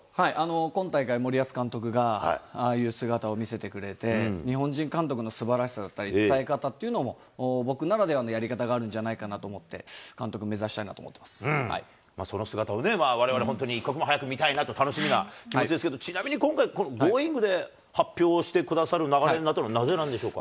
今大会、森保監督がああいう姿を見せてくれて、日本人監督のすばらしさだったり、伝え方っていうのも、僕のならではのやり方があるんではないかなと思って、監督目指しその姿をね、われわれ本当に一刻も早く見たいなと、楽しみな気持ちですけれども、ちなみに今回、Ｇｏｉｎｇ！で発表してくださる流れになったのは、なぜなんでしょうか。